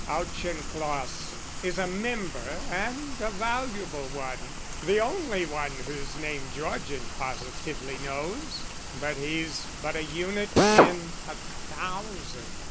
Auchincloss is a member and a valuable one the only one whose name Georgian positively knows; but he's but a unit in a thousand.